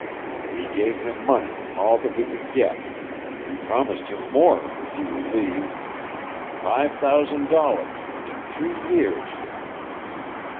We gave him money all that we could get; we promised him more, if he would leave five thousand dollars in three years.